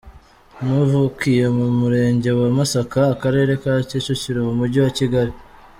Navukiye mu murenge wa Masaka, Akarere ka Kicukiro mu mujyi wa Kigali.